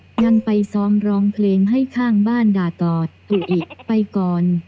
ยังไปซ้อมร้องเพลงให้ข้างบ้านด่ากอดตูอิไปก่อน